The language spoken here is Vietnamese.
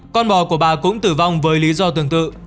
con bò của bà cũng tử vong với lý do tương tự